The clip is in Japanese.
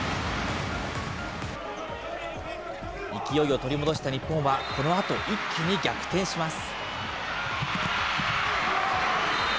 勢いを取り戻した日本は、このあと一気に逆転します。